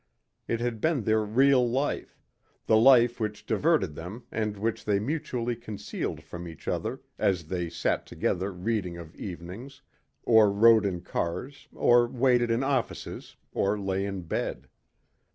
It had been their real life the life which diverted them and which they mutually concealed from each other as they sat together reading of evenings, or rode in cars or waited in offices or lay in bed.